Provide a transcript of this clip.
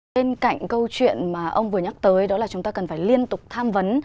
bên cạnh câu chuyện mà ông vừa nhắc tới đó là chúng ta cần phải liên tục tham vấn